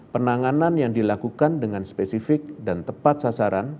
penanganan yang dilakukan dengan spesifik dan tepat sasaran